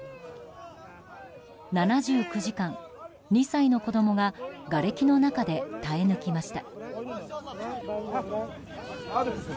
７９時間、２歳の子供ががれきの中で耐え抜きました。